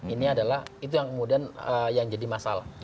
ini adalah itu yang kemudian yang jadi masalah